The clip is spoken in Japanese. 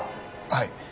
はい。